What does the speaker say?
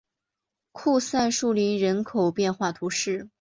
库赛树林人口变化图示